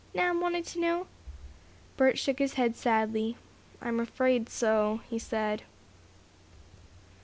Nan wanted to know. Bert shook his head sadly. "I'm afraid so," he said.